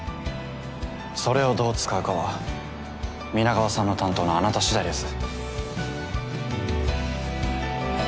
それをどう使うかは皆川さんの担当のあなたしだいです。